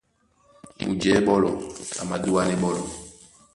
Mujɛ̌ɓólɔ a madúánɛ́ ɓɔ́lɔ̄.